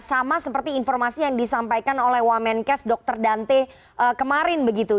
sama seperti informasi yang disampaikan oleh wamenkes dr dante kemarin begitu